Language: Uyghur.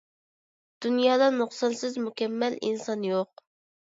دۇنيادا نۇقسانسىز، مۇكەممەل ئىنسان يوق.